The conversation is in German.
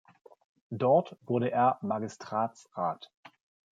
Dort wurde er Magistratsrat.